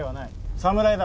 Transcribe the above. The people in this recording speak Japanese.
侍だ。